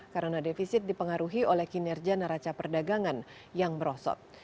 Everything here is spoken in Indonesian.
karena defisit dipengaruhi oleh kinerja neraca perdagangan yang merosot